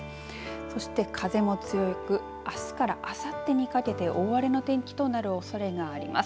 そして風も強くあすからあさってにかけて大荒れの天気となるおそれがあります。